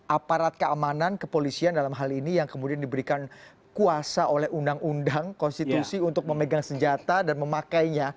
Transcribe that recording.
aparat keamanan kepolisian dalam hal ini yang kemudian diberikan kuasa oleh undang undang konstitusi untuk memegang senjata dan memakainya